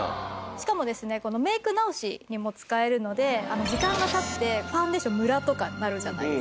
しかもですねメイク直しにも使えるので時間が経ってファンデーションムラとかなるじゃないですか。